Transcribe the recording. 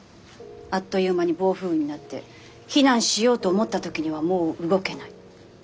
あっという間に暴風雨になって避難しようと思った時にはもう動けない。